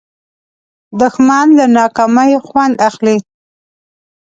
دښمن له ناکامۍ خوند اخلي